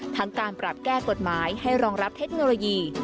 การปรับแก้กฎหมายให้รองรับเทคโนโลยี